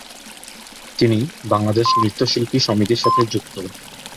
তিনি বাংলাদেশ নৃত্যশিল্পী সমিতির সাথে যুক্ত।